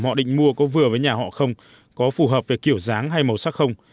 họ định mua có vừa với nhà họ không có phù hợp với kiểu dáng hay màu sắc không